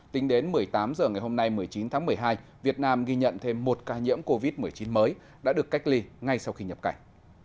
tính đến một mươi tám h ngày hôm nay một mươi chín tháng một mươi hai việt nam ghi nhận thêm một ca nhiễm covid một mươi chín mới đã được cách ly ngay sau khi nhập cảnh